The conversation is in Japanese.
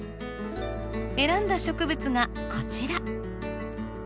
選んだ植物がこちら。